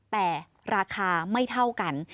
แต่ราคาไม่เท่ากัน